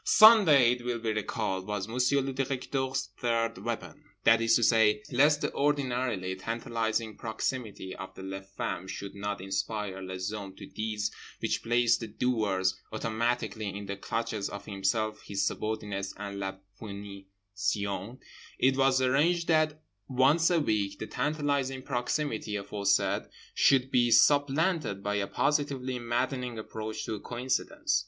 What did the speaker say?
Sunday, it will be recalled, was Monsieur le Directeur's third weapon. That is to say: lest the ordinarily tantalising proximity of les femmes should not inspire les hommes to deeds which placed the doers automatically in the clutches of himself, his subordinates, and la punition, it was arranged that once a week the tantalising proximity aforesaid should be supplanted by a positively maddening approach to coincidence.